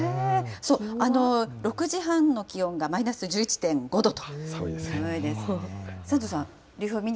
６時半の気温がマイナス１１．５度と。